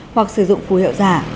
hoặc sử dụng phủ hiệu giả